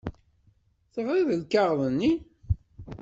Teɣriḍ lkaɣeḍ-nni?